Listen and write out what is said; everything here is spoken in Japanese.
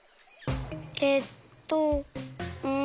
えっとうん。